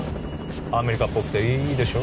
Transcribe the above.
アメリカっぽくていいでしょ？